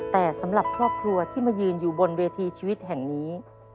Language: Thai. แต่สำหรับครอบครัวที่มายืนอยู่บนเวทีชีวิตแห่งนี้